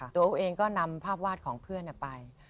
ตัวเองก็นำภาพวาดของเพื่อนไป